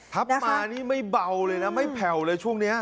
ทับมานี่ไม่เบาเลยนะไม่แผ่วเลยช่วงนี้